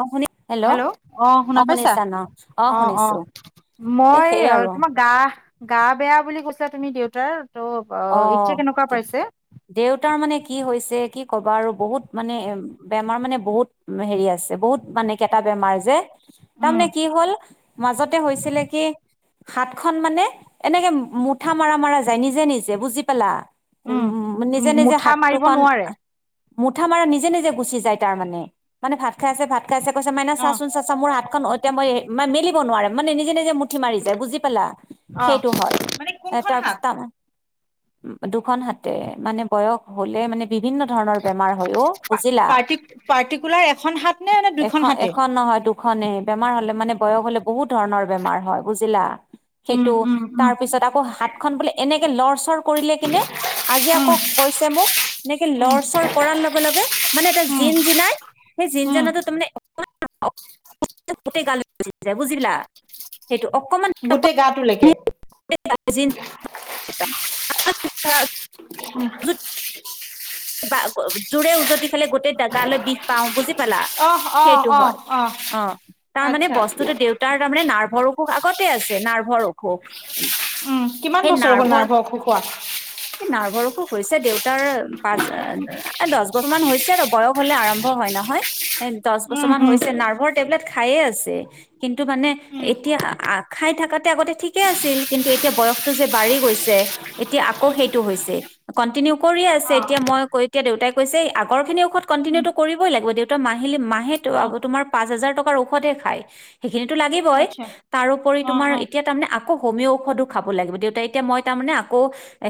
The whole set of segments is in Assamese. অ শুনি হেল্ল' অ শুনা পাইছা? শুনিছা ন অ অ। শুনিছো এ মই সেই আৰু তোমাৰ গা গা বেয়া বুলি কৈছা তুমি দেউতাৰ। ত' অ এতিয়া কেনেকুৱা দে পাইছে? দেউতাৰ মানে কি হৈছে কি ক'বা আৰু বহুত মানে বেমাৰ মানে বহুত হেৰি বহুত মানে কেইটা বেমাৰ যে। উম। তাৰমানে কি হ'ল মাজতে হৈছিলে কি হাত খন মানে এনেকে মুঠা মাৰা মাৰা যায় নিজে নিজে বুজি পালা? উম নিজে নিজে মুঠা হাত মাৰিব দুখন নোৱাৰে? মুঠা মাৰা নিজে নিজে গুচি যায় তাৰ মানে। মানে ভাত খাই ভাত আছে কৈছে। মাইনা অ চাচোন চা চা মোৰ হাতখন এতিয়া মই মেলিব নোৱাৰে। মানে নিজে নিজে মু ঠি মাৰি যায় বুজি পালা অ সেইটো হয়। মানে এ কোনখন তাৰ পিছত হাত? তমানে দুখন হাতে মানে বয়স হ'লে মানে বিভিন্ন ধৰণৰ বেমাৰ হৈ অ বুজিলা? পাৰ্টি পাৰ্টিকুলাৰ এখন হাত নে নে দুইখন এখন হাতে? এখন নহয় দুখনে বেমাৰ হলে মানে বয়স হলে বহুত ধৰণৰ বেমাৰ হয় বুজিলা? উম সেইটো উম উম তাৰপিছত আকৌ হাত খন বোলে এনেকে লৰ চৰ কৰিলে কিনে। আজি উম আকৌ কৈছে মোক একে উম লৰ চৰ কৰা লগে লগে মানে উম জিন জিনাই সেই জিন উম জানাটো তামানে বুজিলা? সেইটো অকমান গোটেই গাটোলৈকে? [unintelligible] উম। জোৰে উজতি খালে গোটেই ডেগালৈ বিষ পাও বুজি পালা? অহ অহ সেইটো অহ হয়। অহ অ তাৰ মানে আচ্ছা বস্তুতো দেউতাৰ তাৰমানে নাৰ্ভৰ আগতে আছে নাৰ্ভৰ অসুখ। উম কিমান সেই বছৰ ব নাৰ্ভৰ নাৰভৰ অসুখ হোৱা? সেই নাৰ্ভৰ অসুখ হৈছে দেউতাৰ পাঁচ আ দচ বছৰ মান হৈছে আৰু বয়স হলে আৰম্ভ হয় নহয়। দশ বছৰ উম মান উম হৈছে। নাৰভৰ টেবলেট খাইয়ে আছে। কিন্তু মানে উম এতিয়া খাই থাক আগতে ঠিকেই আছিল কিন্তু এতিয়া বয়সতটো যে বাঢ়ি গৈছে, এতিয়া আকৌ সেইটো হৈছে। কণ্টিনিউ কৰি আছে। অ এতিয়া মই ক এতিয়া দেউতাই কৈছে, আগৰ খিনি ঔষধ উম কণ্টিনিউটো কৰিবই লাগিব। দেউতা মাহী- মাহে ত অ আক তোমাৰ পচ হাজাৰ টকাৰ ঔষধে খায়। খিনিতো লাগিবই। আচ্ছা তাৰোপৰি অ তোমাৰ অ এতিয়া তাৰমানে আকৌ হোমিঅ ঔষধো খাব লাগিব। দেউতা এতিয়া মই তাৰমানে আকৌ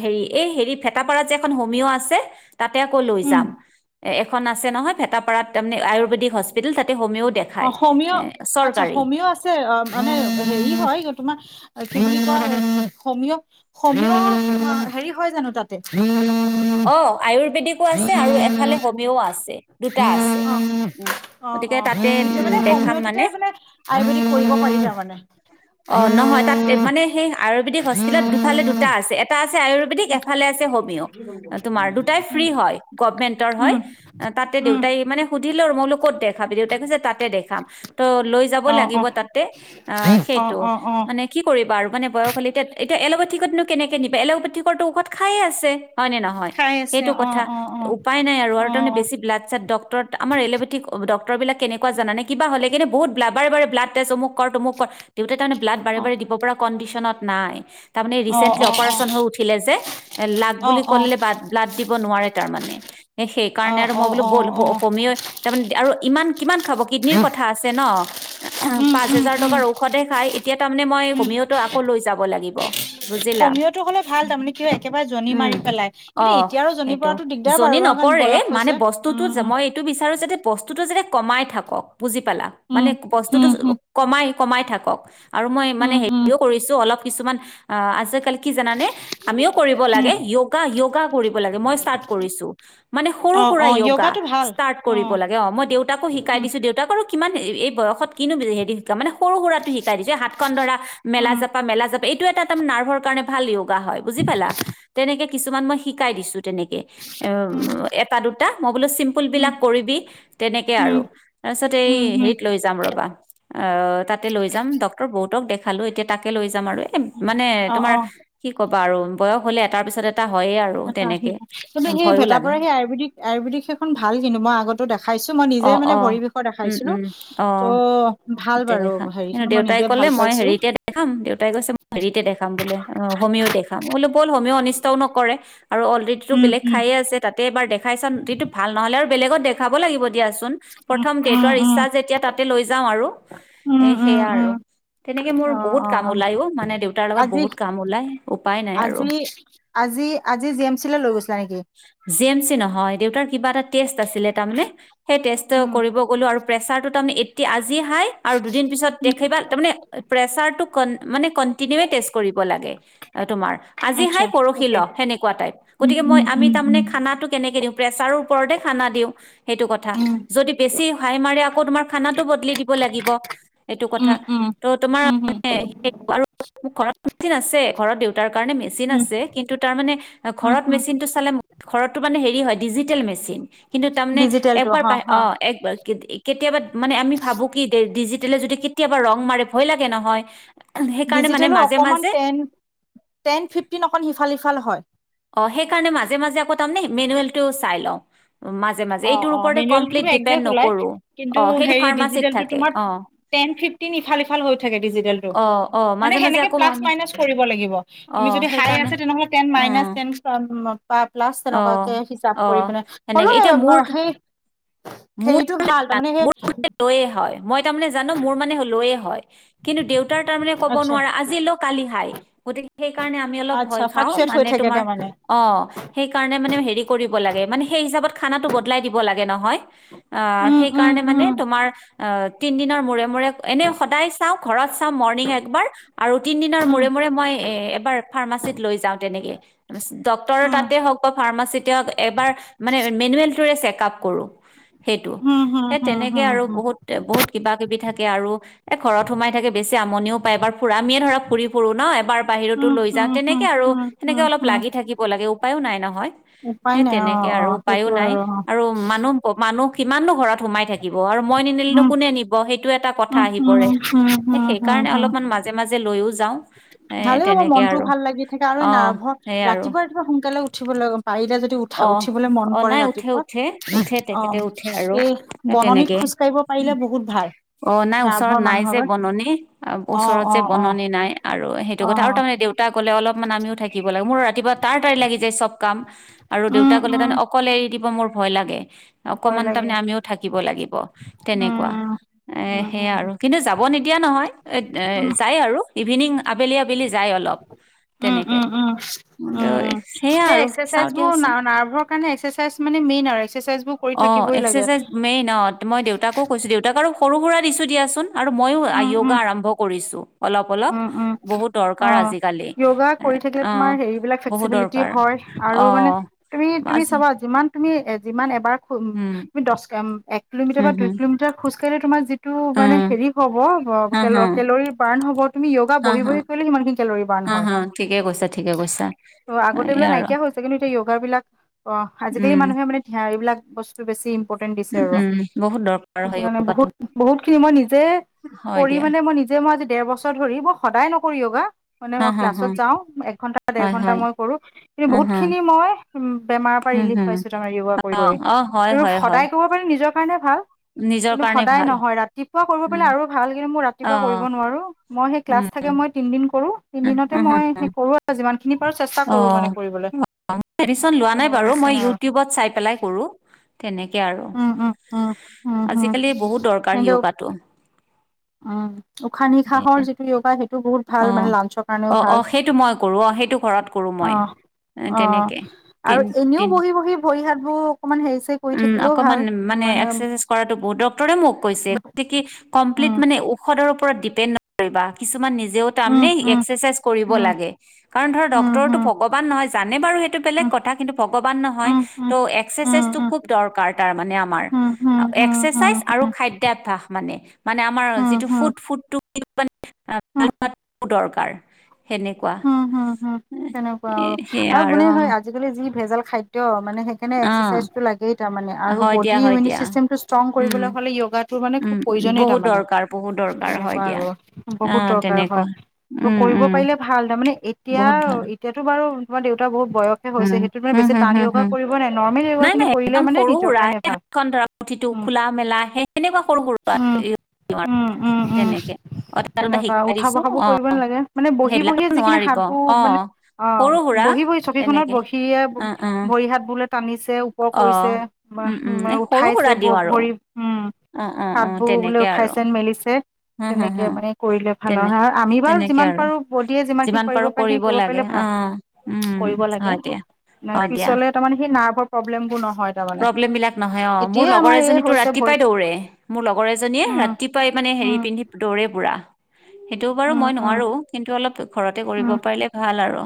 হেৰি এই হেৰি ফে তাপাৰাত যে এখন হোমিঅ আছে। তাতে আকৌ লৈ উম যাম। এখন আছে নহয় ভেতাপাৰাত তাৰমানে আয়ুৰ্বেদিক হস্পিটেল। তাতে হমি'অ অ হমিঅ আচ্ছা হমিঅ আছে অ মানে হেৰি হয় তোমাৰ কি বুলি কয় হমিঅ আ হেৰি হয় জানো তাতে? অ আয়ুৰ আয়ুৰ্বেদিক আছে আৰু এফালে হমিঅ আছে। দুটা আছে। গতিকে তাতে সে হমিঅটোতে মানে আয়ুৰ্বেদিক কৰিব পাৰি তামানে। অ নহয় তাত মানে সেই আ আয়ুৰ্বেদিক হস্পিতেলত দুফালে দুটা আছে। এটা আছে আয়ুৰ্বেদিক এফালে আছে হোমি'অ। তোমাৰ দুটাই ফ্ৰী হয় গভমেন্টৰ উম উম হয়। এ তাতে উম দেউতাই মানে সুধিলো মইলো ক'ত দেখ দেখাবি? দেউতাই কৈছে তাতে দেখাম। ত' লৈ যাব অ লাগিব তাতে আ অ অ সেইটো। অ অ মানে কি কৰিবা আৰু মানে বয়স হলে এতিয়া এতিয়া এল'পেথিকতনো কেনেকে নিবা? এল'পেথিকৰ ঔখধ খায়ে আছে। হয় নাই? হয়। খাই আছে সেইটো অ কথা অ অ উপাই নাই আৰু অ আৰু তামানে বেছি ব্লাড সাদ ডক্টৰত আমাৰ এল'পেথিক ডক ক্তৰ বিলাক কেনেকুৱা জানা নে? কিবা হলে কিনে বহুত ব্লাবাৰ বাৰ বাৰ ব্লাড টেষ্ট, অমুক কৰ তমুক কৰ। দেউতাই তামানে ব্লাড বাৰে অ অ বাৰে দিব পৰা কণ্ডিশনত নাই। তাৰমানে অ ৰিচেন্টলি অ অপাৰেচন হৈ উঠিলে যে। লাগ অ অ বুলি অ কলে তাত ব্লাড দিব নোৱাৰে তাৰ মানে। এ সেইকাৰণে অ', আৰু মই অ', বোলো বল অ', হ অ', হমিঅই তাৰমানে আৰু ইমান কিমান খাব কিডনীৰ কথা আছে ন। উম, পাঁচ উম, হাজাৰ উম, টকাৰ ঔষধে খাই। এতিয়া তাৰ মানে মই হোমিওতো আকৌ লৈ যাব লাগিব বুজিলা হমীয়টো হলে ভাল তাৰমানে কিয় একেবাৰে জনী উম মাৰি পেলাই অ কিন্তু এতিয়া আৰু জনি সেইটো পৰাটো দিগদাৰ জনী বাৰু কাৰণ নপৰে বয়স মানে হৈছে। বস্তুটো উম, যে উম, মই এইটো বিচাৰো যে বস্তুটো যে কমাই থাকক বুজি পালা মানে উম, বস্তুটো উম, উম, কমাই -কমাই থাকক আৰু মই মানে উম, হেৰিও কৰিছো অলপ কিছুমান আ আছে কা কি জানা নে আমিও কৰিব উম, উম, লাগে যোগা যোগা কৰিব লাগে মই ষ্টাট কৰিছোঁ মানে সৰু অ', সুৰা অ', যোগা য়োগাটো ভাল ষ্টাট কৰিব অ', লাগে মই দেউতা কো শিকাই উম, দিছো দেউতাক কিমান এই বয়সত কিনো হেৰি মানে সৰু সুৰাটো শিকাই দিছে হাতখন ধৰা মেলা উম, জাপা মেলা জাপা এইটো এটা তাৰ নাৰ্ভৰ কাৰে ভালা হয় বুজি পালা তেনেকে কিছুমান মই শিকাই দিছো। তেনেকে এ উম, এটা দুটা মই বোলো চিম্পুল উম, বিলাক কৰিবি তেনেকে উম, আৰু। তাৰপিছত এই উম, উম, হেৰিত লৈ যাম ৰবা অ তাতে লৈ যাম ডক্তৰ বহুতক দে খালো এতিয়া তাকে লৈ যাম আৰু এ মানে অ', তোমাৰ অ', কি কবা আৰু বয়স হলে এটাৰ পিছত এটা হয়ে। আৰু আ কিন্তু তেনেকে সেই ভেতাপাৰ সেই ভয়ো লাগে ভেটাপাৰাৰ আয়ুৰ্বেদিক আয়ুৰ্বেদিক সেইখন ভাল কিন্তু মই আগতো দেখাইছো মই নি অ নিজে অ মানে ভৰি বিষৰ উম দেখাইছিলো উম অ ত' ভাল বাৰু কিন্তু হেৰিখিনি মই নিজে ভাল পাইছো। তেতিয়া দেখাম দেউতাই কৈছে মই হেৰিতে দেখাম দেউতাই কৈছে হেৰিতে দেখাম বুলি অ হমিও দেখাম বলে ব'ল হোমিও অনিষ্টও নকৰে। আৰু অলৰেডিতো উম, বেলেগ উম, খাইয়ে আছে তাতে এবাৰ দেখাই চাম সিটো ভাল নহ'লে আৰু বেলেগত দেখাব লাগিব দিয়া চোন উম প্ৰথম উম দেউতাৰ উম ইচ্ছা যেতিয়া তাতে লৈ যাওঁ আৰু এ উম উম সেয়া আৰু উম তেনেকে মোৰ অ বহুত অ কাম ওলাই অ মানে দেউতাৰ লগত আজি বহুত কাম ওলাই উপায় নাই আৰু। আজি আজি আজি জি এম চিলৈ লৈ গৈছিলা নেকি? জি এম চি নহয়। দেউতাৰ কিবা এটা টেষ্ট আছিলে তাৰমানে সেই টেষ্টটো উম কৰিব গলো আৰু প্ৰেচাৰটো তাৰমানে এতিয়া আজি আজি হাই দুদিন পিছত উম, দেখিবা তাৰমানে প্ৰেচাৰটো কন মানে কণ্টিনুৱে টেষ্ট কৰিব লাগে তোমাৰ আজি হাই আচ্ছা পৰখী অকে লো। টাইপ উম গতিকে মই উম আমি উম তাৰে উম খানাটো কেনেকে দিওঁ প্ৰেচাৰ ওপৰতে খানা দিওঁ সেইটো কথা উম যদি বেছি হাই মাৰে আকৌ খানাটো বদলি দিব লাগিব এইটো কথা উম উম ত' তোমাৰ উম হম ঘৰত আছে ঘৰত দেউ তাৰ কাৰণে মেচিন উম আছে কিন্তু তাৰমানে উম ঘৰত উম মেচিনটো চালে ঘৰতো মানে হে হয় ডিজিটেল মেচিন কিন্তু তাৰমানে ডিজিটেলটো একবাৰ হা বা হা অ কেতিয়াবা মানে আমি ভাবো কি ডিজিটেলে যদি কেতিয়াবা ৰং মাৰে ভয় লাগে নহয় সেইকাৰণে মানে ডিজিটেলৰ মাজে অকমান মাজে টেন -টেন ফিফটিন অকণ সিফাল সিফাল হয় অ সেইকাৰণে মাজে -মাজে আকৌ তে মেনুৱেলটো চাই লওঁ মাজে -মাজে অ এইটোৰ অ ওপতে মেনুৱেলটো কমপ্লিট ডিপেণ্ড একজেক্ট ওলাই নকৰো কিন্তু অ সেইটো হেৰি ফাৰ্মাচীত ডিজিটেলটো থাকে তোমাৰ অ টেন ফিফটিন ইফাল সিফাল হৈ থাকে ডিজিটেলটো অ অ মানে মাজে মাজে সেনেকে আকৌ প্লাছ আমি মাইনাচ কৰিব লাগিব অ তুমি যদি হাই সেইকাৰণে আছে তেনেহ'লে টেন মাইনাছ টেন অ বা প্লাছ অ তেনেকুৱাকে হিচাপ অ কৰি পিনে সেনেকে হ'লেও এতিয়া মোৰ সেই মোৰ হেৰিটো ভাল তাৰমানে সেইহ মোৰ লয়ে হয় মই তাৰ মানে জানো মোৰ মানে লয়ে হয় কিন্তু দেউতাৰ তাৰমানে ক'ব আচ্ছা নোৱাৰা আজি লও কালি হাই গতিকে সেই কাৰণে আমি অলপ আচ্ছা ভয় খাও ফ্লাকচুৱেট হৈ মানে থাকে তোমাৰ তাৰমানে অ সেইকাৰণে মানে হেৰি কৰিব লাগে মানে সেই হিচাপত খানাটো বদলাই দিব লাগে নহয় আ উম সেই উম কাৰণে মানে উম তোমাৰ তিন দিনৰ মূৰে মূৰে এনে সদায় চাওঁ ঘৰত চাওঁ মৰ্নিং একবাৰ আৰু তিন দিনৰ উম মূৰে মূৰে মই একবাৰ ফাৰমাচিত লৈ যাওঁ তেনেকে ডক্তৰ উম তাতে হওঁক বা ফাৰমাচি এবাৰ মানে মেনুৱেলটোৱে চেকআপ কৰোঁ সেইটো হুম হুম সেই হুম তেনেকুৱা হুম আৰু হুম বহুত এ বহুত কিবা -কিবি থাকে আৰু এ ঘৰত সোমাই থাকে বেছি আমনিও পায় এবাৰ ফুৰামিয়ে ধৰক ফুৰি ফুুৰো ন এবাৰ বাহিৰতো উম লৈ যাওঁ হুম হুম তেনেকে আৰু হুম সেনেকে হুম অলপ হুম লাগি থাকিব লাগে উপায়ো নাই নহয় উপায় সেই নাই অ তেনেকে অ আৰু উপায়ো সেইটো নাই অ আৰু মানুহ-মানুহ কিমাননো ঘৰত সোমাই থাকিব আৰু মই নিনিলে নো উম কোনে নিব সেইটো এটা কথা উম আহি উম পৰে হুম হুম হুম সেইকাৰণে হুম অলপমান মাজে মাজে লৈও যাওঁ এ ভালেই হ'ব তেনেকে মনটোও আৰু ভাল লাগি থাকে আৰু অ নাৰ্ভৰ সেই আৰু ৰাতিপুৱা ৰাতিপুৱা সোনকালে উঠিবলৈ পাৰিলে যদি অ উঠা উঠিবলৈ মন অ কৰে নাই উঠে ৰাতিপুৱা উঠে উঠে তেখেতে উঠে আৰু অহ এই বননিত খোজ কঢ়িব পাৰিলে বহুত ভাল অহ নাই ওচৰত নাৰ্ভৰ নাই যে মানুহৰ বননি অ ওচৰত অ যে অ বননি নাই আৰু সেইটো অ কথা আৰু তাৰমানে দেউতা ক'লে অলপ মান আমিও থাকিব লাগে মোৰ ৰাতিপুৱা তাৰা তাৰি লাগি যায় চব কাম আৰু উম দেউতা ক'লে উম তাৰমানে অকলে এৰি দিব মোৰ ভয় লাগে ভয় অকমান লাগে তাৰমানে আমিও থাকিব লাগিব তেনেকুৱা উম এ উম সেয়া উম আৰু কিন্তু যাব নিদিয়া নহয়, এ এ যায় আৰু ইভিনিং আবেলি আবেলি যায় অলপ। উম তেনেকে উম উম কিন্তু উম সেয়া উ আৰু এক্সাৰচাইজ চাওঁ বোৰ দিয়াচোন নাৰ্ভৰ কাৰনে এক্সাইছাইজ মানে মেইন আৰু এক্স অ এক্সাৰচাইজ মেইন অ মই দেউতাকো কৈছো দেউতাক আৰু সৰু সুৰা দিছোঁ দিয়াচোন আৰু ময়ো উম উম যোগা আৰম্ভ কৰিছোঁ উম উম অ আজিকালি যোগা এ কৰি থাকিলে তোমাৰ অ', হেৰি বিলাক বহুত ফ্লেক্সিবিলিটি দৰকাৰ হয় আৰু মানে অ', তুমি -তুমি আজি চাবা যিমান তুমি এ যিমান এবাৰ ম উম, তুমি দহ এক কিলোমিটাৰ বা হম, দুই হম, কিলোমিটাৰ খোজ কাঢ়ে তোমাৰ যিটো মানে উম, হেৰি হ'ব হা, হা, কেলৰি বাৰ্ণ হ'ব তুমি য়োগা হা, বহি হা, বহি কৰিলে সিমান খিনি কেলৰি বাৰ্ণ হা, হয় হা, ঠিকে কৈছা ঠিকে কৈছা ত আগতে এয়া এইবিলাক আৰু নাইকিয়া হৈছে কিন্তু এতিয়া যোগা বিলাক অ আজিকালি উম, মানুহে মানে ধান এইবিলাক বস্তু বেছি দিছে উম, আৰু উম, বহুত দৰকাৰ সেইটো হয় কাৰণে বহু য়োগাটো বহুতখিনি মই নিজে হয় কৰি দিয়া মানে মই নিজে মই আজি ডৰ বছৰ ধৰি মই সদায় নকৰি অ গা মানে হা, মই হা, হা, ক্লাছত যাওঁ এঘন্টা দেৰ হয়, ঘন্টা হয়, মই কৰো কিন্তু উম, হম, বহুতখিনি মই বেমাৰ উম, ৰিলিফ হম, পাইছো তাৰ কৰি অ', অ', হয়, কি হয়, হয়, সদায় ক'ব পাৰি নিজ কাৰণে ভাল নিজৰ কিন্তু কাৰণে সদায় ভাল নহয় ৰাতিপুৱা কৰিব পাই উম, আৰু ভাল কিন্তু মই ৰাতিপুৱা কৰিব অ', নোৱাৰো মই সেই উম। ক্লাছ থাকে মই তিনদিন কৰো তিন দিনতে মই সেই কৰো আৰু যি অহ অহ মেডিচন লোৱা নাই তেনেকুৱা বাৰু মই নিচিনা আৰু ইউটিউবত চাই পেলাই কৰো তেনেকে আৰু উম উম উম উম উম আজিকালি বহুত দৰকাৰ কিন্তু ইউগাতো উম উশাহ নিশাহৰ যিটো য়োগা সেইটো বহুত ভাল অ মানে লাঞ্চৰ কাৰণেও অ অ ভাল সেইটো মই কৰো অ সেইটো ঘৰত কৰো মই অহ এ অহ তেনেকে তিন আৰু এনেও তিন বহি বহি বহি হাত উম অকমান মানে এক্সাৰচাইজ কৰাতোঁ বহুতো বহুতে মোক কৈছে উম, তই কি কমপ্লিট উম, মানে ঔষধ পৰা দ্বীপেন নকৰিবা কিছুমান নিজে যি উম, তাৰমানে উম, এক্সাৰচাইজ কৰিব উম, লাগে কাৰণ ধৰা উম, উম, ডক্তৰতটো উম, ভগৱান নহয় জানে বাৰু সেইটো বেলেগ উম। কথা কিন্তু ভগবান নহয় উম, উম, টো হুম, এক্সাইজটো ক খুব দৰকাৰ তাৰমানে আমাৰ হুম, হুম, হুম, হুম, এক্সাইজ হুম, খাদ্য অভ্যাস মানে মানে আমাৰ যিটো ফুড হুম, ফুডটোন দৰকাৰ [unintelligible] হুম হুম হুম তেনেকুৱা এ সেয়া আৰু বোলে মানে হয় আজিকালি যি ভেজাল খাদ্য মানে সেইকাৰণে অ', এক্সাচাইজ টো লাগেই তাৰমানে আৰু হয় দিয়া বডি হয় ইমিউন দিয়া ছিষ্টেমটো ষ্ট্ৰং উম। কৰিবলৈ হ'লে ইগাটোৰ মানে খুব উম, প্ৰয়োজনেই বহুত তাৰমানে দৰকাৰ বহুত দৰকাৰ হয় তেনেকুৱা দিয়া। আৰু বহুত অ', দৰকাৰ তেনেকুৱা হয় ত উম, কৰিব উম, পাৰিলে ভাল ভাল তাৰ মানে এতিয়া বহুত ভাল এতিয়াতো বাৰু তোমাৰ দেউতাৰ তাৰ বহুত বয়সে হৈছে উম, সেইটোত মানে হম, বেছি হম, টান হম, ইয়াগা হম। কৰিব নাই নৰ্মেল ইয়াগা খিনি কৰিলে মানে নিজৰ কাৰণে ভাল ধৰক পুথিতটো উম খোলা মেলা সেই সেইখিনি সৰু উম সৰু উম উম উম এটা দুটা তেনেকুৱা শিকাই উঠা দিছো বহাবোৰ অ', কৰিব নালাগে মানে বহি বহি সেইবিলাকতো বহিয়ে যিখিনি নোৱাৰিব সাধু মানে অ'। অহ সৰু সুৰা বহি বহি চ পুঠি খনত তেনেকে বহিয়ে অ', অ', ভৰি হাত বোলে টানিছে তেওঁ ওপৰ অ'। কৰিছে উম, উম, মা এই সৰু উঠাইছে সুৰা দিওঁ আৰু ভৰি উম অ', অ', অ', হাতবোৰ বোলে তেনেকে আৰু উঠাইছে মেলিছে হম, হম, তেনেকে হম, মানে কৰিলে ভালৰ তেনে হয় আৰু আমি বাৰু তেনেকে যিমান আৰু পাৰো বডিয়ে যিমানখিনি যিমান কৰিব পাৰো পাৰে খিনি কৰিব লাগে পাৰিলে অ ভাল উম কৰিব লাগে হয় দিয়া ন হয় দিয়া পিছলে তাৰমানে সেই নাৰ্ভৰ প্ৰব্লেম বোৰ নহ- প্ৰব্লেম বিলাক নহয় অ মোৰ লগৰ এই এজনীটো হৈছে ভৰি ৰাতিপুৱাই দৌৰে মোৰ লগৰ এজনীয়ে উম ৰাতিপুৱাই মানে। হেৰি উম পিন্ধি দৌৰে পুৰা। সেইটো বাৰু উম মই উম নোৱাৰো কিন্তু অলপ ঘৰতে কৰিব উম পাৰিলে ভাল আৰু।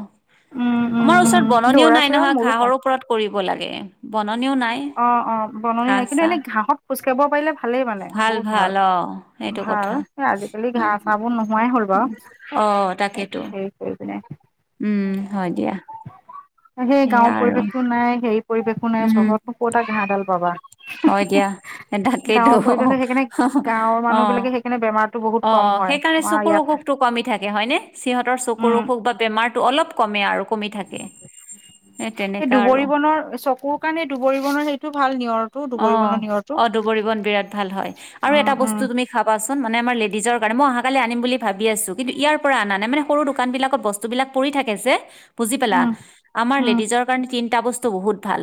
উম আমাৰ উম ওচৰত উম বননিও দৌৰা নাই চৌৰা নহয় ঘাঁহৰ ওপৰত কৰিব লাগে বন। অহ অহ বননি লাগিলে এনেই ঘাঁহত খোজকাঢ়ি পাৰিলে ভালেই মানে বহুত ভাল। অ সেইটো ভাল কথা আজিকালি ঘাঁহ চাহ বোৰ নোহোৱাই হ'ল বাৰু অ তাকেইতো হে কৰি। উম হয় দিয়া তাকে সেয়া গাঁওৰ আৰু পৰিৱেশতটো নাই সেই। পৰিৱেশো নাই উম চহৰতো ক'ত এটা ঘাঁহডাল পাবা। হয় দিয়া এ তাকেইতো গাঁৱৰ অ হু পৰিৱেশে সেইকাৰণে হহু গাঁৱৰ মানুহ অহ বিলাকে সেইকাৰণে বেমাৰটো বহুত কম অহ হয় সেইকাৰণে আমাৰ চকুৰ ইয়াত অসুখতটো কমি থাকে হয় নে সিহঁতৰ উম চকুৰ অসুখ বা বেমাৰ। তো অলপ কমে আৰু কমি থাকে। সেই এই তেনেকা আৰু দুবৰি বনৰ চকুৰ কাৰণে দুবৰি বনৰ সেইটো ভাল নিয়ৰটো দুবৰি বনৰ নিয়ৰটো। অহ দুবৰি বন বিৰাট ভাল হয় আৰু উম এটা উম বস্তু তুমি খাবাচোন মানে আমাৰ লিভা। নিজৰ কাৰণ মই অহাকালি আনিম বুলি ভাবি আছো কিন্তু ইয়াৰ পৰা অনা নাই মানে সৰু দোকান বিলাকত বস্তু বিলাক পৰি থাকে যে। বুজি পালা উম আমাৰ উম লেডিজৰ কাৰণে তিন। এটা বস্তু বহুত ভাল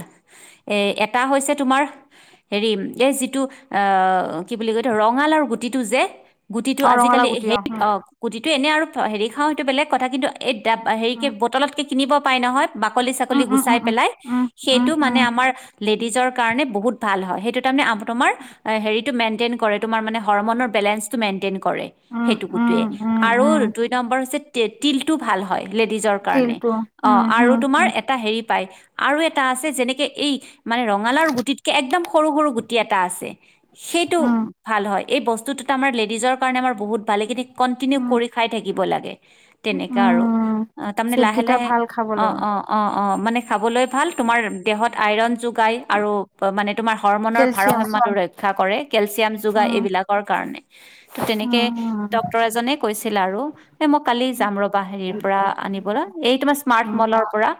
এই এটা হৈছে তোমাৰ। হেৰি এই যিটো আহ কি বুলি কয় ৰঙালাউৰ গুটিটো যে। গুটিটো অ ৰঙালাও আজিকালি গুটি অ হেৰি অহ গুটিটো এনে আৰু হেৰি খাওঁ সেইটো বেলেগ কথা কিন্তু। এই হেৰিকৈ উম বটলতকৈ কিনিব পাই নহয়। বাকলি উম চাকলি উম গুচাই উম পেলায় উম উম সেইটো মানে উম আমাৰ লে। নিজৰ কাৰণে বহুত ভাল হয় সেইটো তাৰমানে তোমাৰ হেৰিটো মেণ্টেন্ত কৰে তোমাৰ মানে হৰমনৰ বেলেঞ্চ। তোৰ মেইনটেইন কৰে উম উম সেইতো উম উম উম আৰু উম দুই নম্বৰ হৈছে তেতিলটো ভাল হয়। লেডিজৰ কাৰণে তিলটো উম অহ আৰু উম তোমাৰ উম এটা হেৰি পায়। আৰু এটা আছে যেনেকে এই মানে ৰঙালাও গুটিতকে একদম সৰু সৰু গুটি এটা আছে। সেইটো উম ভাল হয় এই বস্তুতত আমাৰ লেডিজৰ কাৰণে আমাৰ বহুত ভাল এখিনি। কণ্টিনিউ উম কৰি খাই থাকিব লাগে। তেনেকা আৰু উম অ তাৰ মানে লাহে চিটকেইটা লাহে ভাল অ খাবলৈ মানে অ অ অ মানে খাবলৈ। ভাল তোমাৰ দেহত আইৰণ যোগায় আৰু মানে তোমাৰ হৰমনৰ কেলচিয়াম ভাৰসাম্যটো ৰক্ষা কৰে। কেলচিয়াম যোগাৰ উম এইবিলাকৰ কাৰণে ত তেনেকে উম উম ডক্তৰ এজনে কৈছিল আৰু। এ মই কালি যাম ৰবা হেৰিৰ পৰা আনিবলৈ এই তোমাৰ স্মাৰ্ট মলৰ পৰা।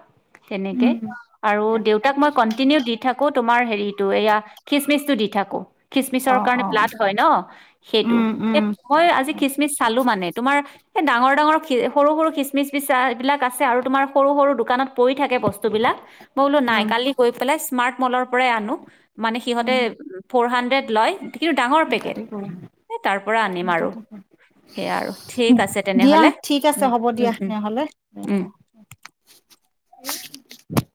তেনেকে উম উম আৰু দেউতাক মই কন্টিনিউ দি থাক- কো তোমাৰ হেৰিতটো এয়া খিচমিচটো দি থাকো খিচমিচৰ অ কাৰণে অ ব্লাড হয় ন। সেইটো উম উম এত মই আজি খিচমিচ চাল- লো মানে তোমাৰ এ ডাঙৰ ডাঙৰ খি সৰু সৰু খিচমিচমিচা বিলাক আছে আৰু তোমাৰ সৰু সৰু দোকানত। পৰি থাকে বস্তুবিলাক মই বোলো নাই উম কালি গৈ পেলাই স্মাৰ্ট মলৰ পৰাই আনো মানে সিহঁতে উম ফৰ হাড্ৰেড লয় কিন্তু ডাঙৰ পেকট। তাতে কৰিম তাৰ পৰা আনিম মই আৰু তাতে সেইয়া আৰু কৰিম ঠিক আছে দিয়া তেনেহলে ঠিক আছে উম হ'ব দিয়া উম উম। তেনেহ'লে উম। [inaudible]